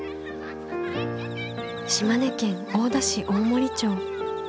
島根県大田市大森町。